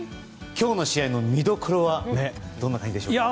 今日の試合の見どころはどんな感じでしょうか。